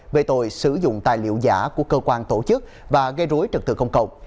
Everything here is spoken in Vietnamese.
về tội sử dụng tài liệu giả của cơ quan tổ chức và gây rối trật tự công cộng